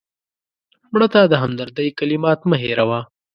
مړه ته د همدردۍ کلمات مه هېروه